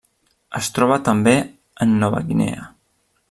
Es troba també en Nova Guinea.